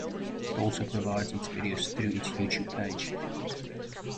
It also provides its videos through its YouTube page.